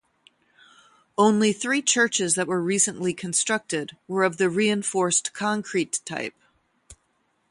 Only three churches that were recently constructed were of the reinforced concrete type.